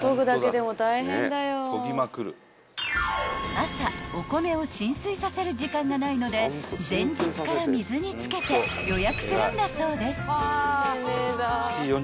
［朝お米を浸水させる時間がないので前日から水に漬けて予約するんだそうです］